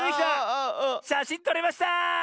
しゃしんとれました！